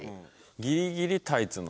ギリギリタイツの。